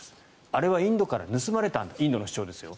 あれはインドから盗まれたインドの主張ですよ。